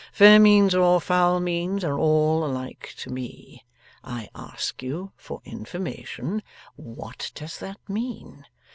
Fair means or foul means, are all alike to me. I ask you for information what does that mean?